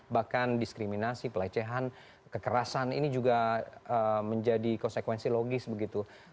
bahkan diskriminasi pelecehan kekerasan ini juga menjadi konsekuensi logis begitu